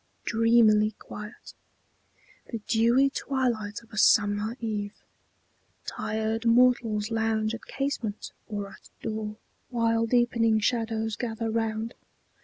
Dreamily quiet The dewy twilight of a summer eve. Tired mortals lounge at casement or at door, While deepening shadows gather round.